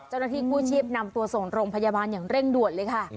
เจ้าหน้าที่กู้ชีพนำตัวส่งโรงพยาบาลอย่างเร่งด่วนเลยค่ะ